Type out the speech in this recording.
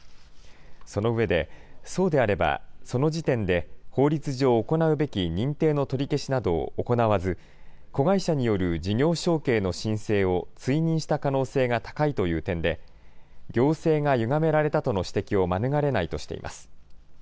その上で、そうであれば、その時点で法律上、行うべき認定の取り消しなどを行わず、子会社による事業承継の申請を追認した可能性が高いという点で、行政がゆがめられたとの指摘を免れないとしています。